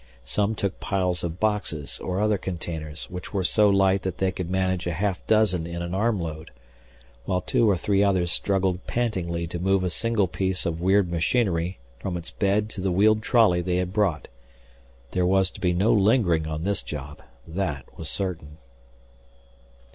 Some took piles of boxes or other containers which were so light that they could manage a half dozen in an armload, while two or three others struggled pantingly to move a single piece of weird machinery from its bed to the wheeled trolley they had brought. There was to be no lingering on this job that was certain.